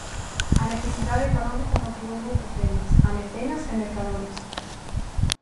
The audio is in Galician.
A necesidade económica motivou moitas vendas, a mecenas e mercadores.